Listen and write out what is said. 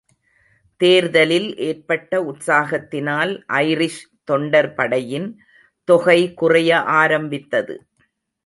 தேர்தலில் ஏற்பட்ட உற்சாகத்தினால் ஐரிஷ் தொண்டர்படையின் தொகை குறைய ஆரம்பித்தது.